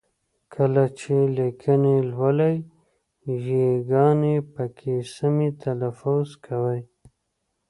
کله چې لیکني لولئ ی ګاني پکې سمې تلفظ کوئ!